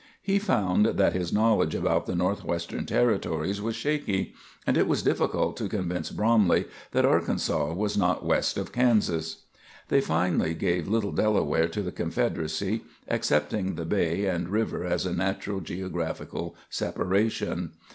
He found that his knowledge about the Northwestern Territories was shaky, and it was difficult to convince Bromley that Arkansas was not west of Kansas. They finally gave little Delaware to the Confederacy, accepting the bay and river as a natural geographical separation.